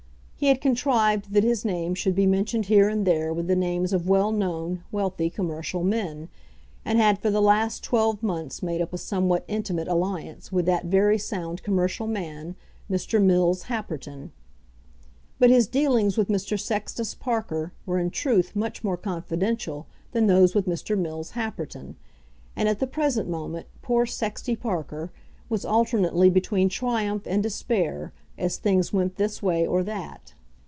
He had contrived that his name should be mentioned here and there with the names of well known wealthy commercial men, and had for the last twelve months made up a somewhat intimate alliance with that very sound commercial man, Mr. Mills Happerton. But his dealings with Mr. Sextus Parker were in truth much more confidential than those with Mr. Mills Happerton, and at the present moment poor Sexty Parker was alternately between triumph and despair as things went this way or that.